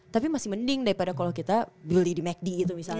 tapi masih mending daripada kalau kita beli di macd gitu misalnya